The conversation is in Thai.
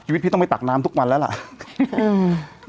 ชีวิตพี่ต้องไปตักน้ำทุกวันแล้วล่ะอืม